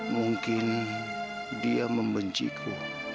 mungkin dia membenciku